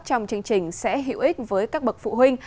trong chương trình sẽ hữu ích với các bậc phụ huynh